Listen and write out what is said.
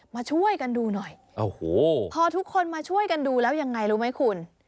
มาช่วยกันดูหน่อยโอ้โหพอทุกคนมาช่วยกันดูแล้วยังไงรู้ไหมคุณ